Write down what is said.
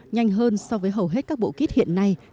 nhanh hơn so với hầu hết các bộ kit hiện nay